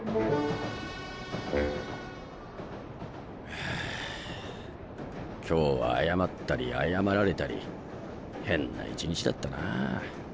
はあ今日は謝ったり謝られたり変な一日だったな。